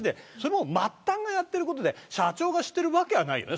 末端がやっていることで社長が知っているわけない。